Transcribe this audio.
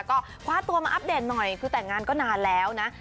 ก็คว้าตัวมาอัปเดตหน่อยคือแต่งงานก็นานแล้วนะ